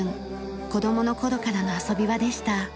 子供の頃からの遊び場でした。